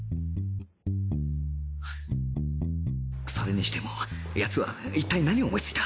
それにしても奴は一体何を思いついた？